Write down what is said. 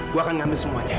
gue akan ngambil semuanya